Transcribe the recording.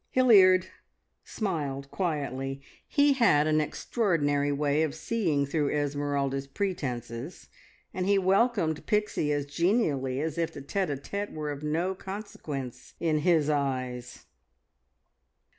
Hilliard smiled quietly. He had an extraordinary way of seeing through Esmeralda's pretences, and he welcomed Pixie as genially as if the tete a tete were of no consequence in his eyes.